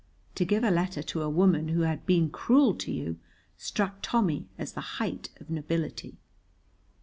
To give a letter to a woman who had been cruel to you struck Tommy as the height of nobility.